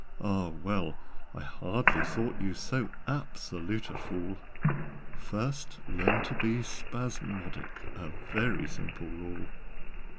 Ah, well! I hardly thought you So absolute a fool. First learn to be spasmodic A very simple rule.